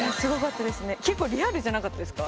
結構リアルじゃなかったですか？